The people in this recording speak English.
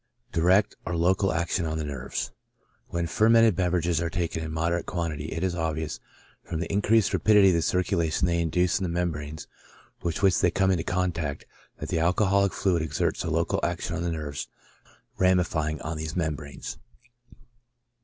Direct or local action on the Nerves. — When fermented beverages are taken in moderate quantity, it is obvious, from the increased rapidity of the circulation they induce in the membranes with which they come into contact, that the alcoholic fluid exerts a local action on the nerves rami fying on these membranes.